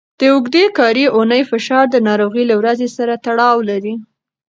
د اوږدې کاري اونۍ فشار د ناروغۍ له ورځې سره تړاو لري.